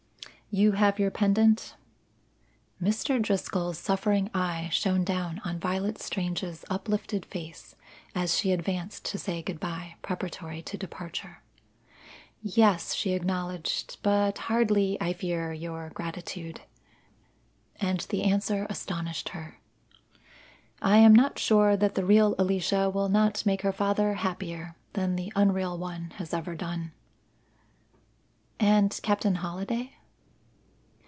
"You have your pendant?" Mr. Driscoll's suffering eye shone down on Violet Strange's uplifted face as she advanced to say good bye preparatory to departure. "Yes," she acknowledged, "but hardly, I fear, your gratitude." And the answer astonished her. "I am not sure that the real Alicia will not make her father happier than the unreal one has ever done." "And Captain Holliday?"